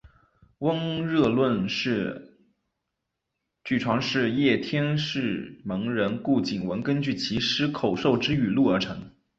温热论据传是叶天士门人顾景文根据其师口授之语录而成。